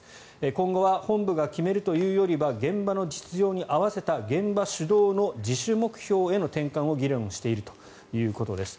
今後は本部が決めるというよりは現場の実情に合わせた現場主導の自主目標への転換を議論しているということです。